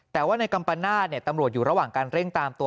แต่ว่าในกัมปนาศตำรวจอยู่ระหว่างการเร่งตามตัว